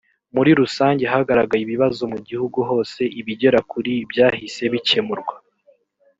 muri rusange hagaragaye ibibazo mu gihugu hose ibigera kuri byahise bikemurwa